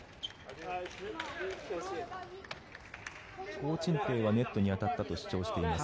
コウ・チンテイはネットに当たったと主張しています。